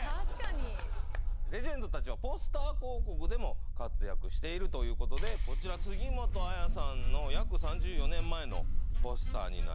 レジェンドたちはポスター広告でも活躍しているということでこちら杉本彩さんの約３４年前のポスターになります。